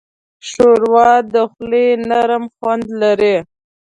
ښوروا د خولې نرم خوند لري.